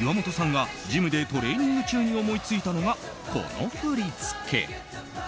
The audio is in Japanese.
岩本さんがジムでトレーニング中に思いついたのが、この振り付け。